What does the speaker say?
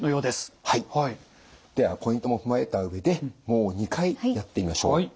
ではポイントも踏まえた上でもう２回やってみましょう。